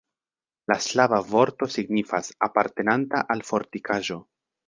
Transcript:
La slava vorto signifas: apartenanta al fortikaĵo.